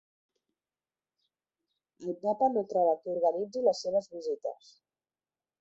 El papa no troba qui organitzi les seves visites